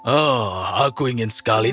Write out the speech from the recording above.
oh aku ingin sekali